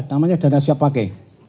namanya dana siap pakai